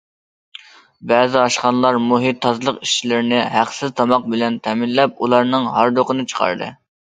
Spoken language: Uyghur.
بەزى ئاشخانىلار مۇھىت تازىلىق ئىشچىلىرىنى ھەقسىز تاماق بىلەن تەمىنلەپ ئۇلارنىڭ ھاردۇقىنى چىقاردى.